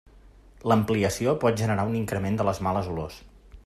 L'ampliació pot generar un increment de les males olors.